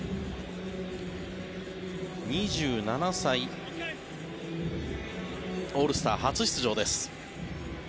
２７歳オールスター初出場です。